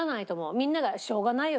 みんなが「しょうがないよ。